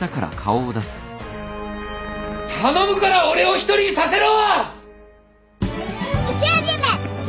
頼むから俺を一人にさせろ！